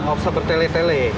gak usah bertele tele